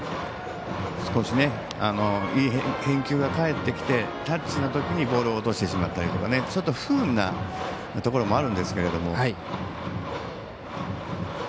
いい返球が返ってきてタッチのときにボールを落としてしまったりとちょっと不運なところもあるんですけども。